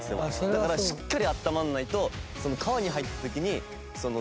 だからしっかりあったまんないと川に入った時にととのえないと思って。